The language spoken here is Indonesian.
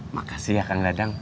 makasih ya kang dadang